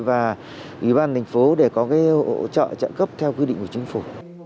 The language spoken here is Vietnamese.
và ủy ban thành phố để có cái hỗ trợ trợ cấp theo quy định của chính phủ